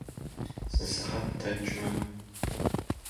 Зы сыхьэт дэкӏмэ.